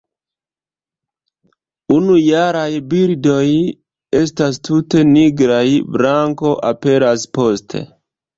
Unujaraj birdoj estas tute nigraj; blanko aperas poste.